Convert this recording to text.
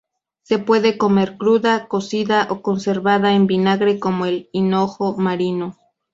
Se puede comer cruda, cocida o conservada en vinagre como el hinojo marino.